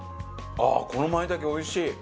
ああこのまいたけおいしい。